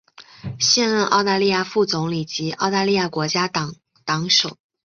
现任澳大利亚副总理及澳大利亚国家党党首。